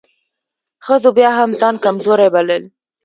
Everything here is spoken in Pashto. ښځو بيا هم ځان کمزورۍ بلل .